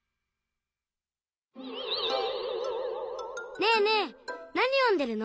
ねえねえなによんでるの？